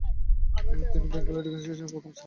তিনি Bengal education সার্ভিসের প্রথম শ্রেনীতে উন্নীত হন।